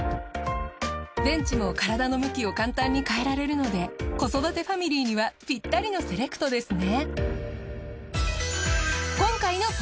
ベンチも体の向きを簡単に変えられるので子育てファミリーにはピッタリのセレクトですね。